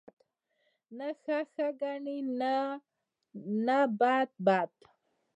نه ښه ښه گڼي او نه بد بد